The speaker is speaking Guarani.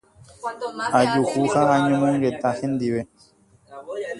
ajuhu ha añomongeta hendive.